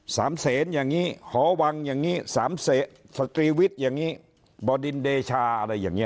สามเศสอย่างนี้หอวังอย่างนี้สตรีวิทย์อย่างนี้บอดินเดชาอะไรอย่างนี้